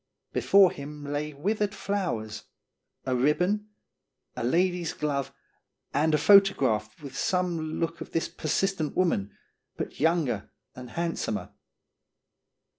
Before him lay withered flowers, a ribbon, a lady's glove, and a photograph with some look of this persistent woman, but younger and handsomer.